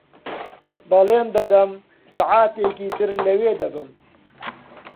بەڵێن دەدەم سەعاتێکی تر لەوێ دەبم.